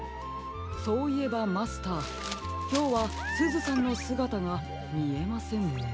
そういえばマスターきょうはすずさんのすがたがみえませんね。